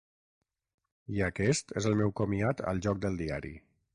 I aquest és el meu comiat al joc del diari.